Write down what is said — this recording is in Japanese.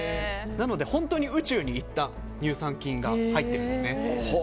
なので本当に宇宙に行った乳酸菌が入ってるんです。